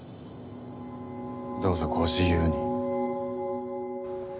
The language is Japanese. どうぞご自由に。